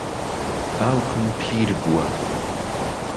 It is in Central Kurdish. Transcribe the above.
باوکم پیر بووە.